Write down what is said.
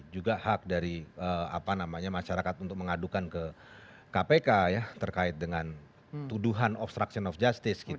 juga hak dari masyarakat untuk mengadukan ke kpk ya terkait dengan tuduhan obstruction of justice